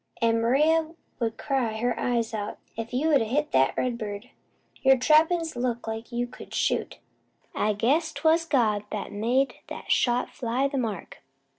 An' Maria 'ud cry her eyes out if you'd a hit the redbird. Your trappin's look like you could shoot. I guess 'twas God made that shot fly the mark.